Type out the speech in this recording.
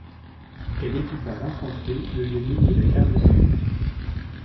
Elle équipa l'infanterie, le génie et la Garde civique.